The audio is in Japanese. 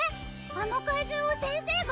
あの怪獣を先生が？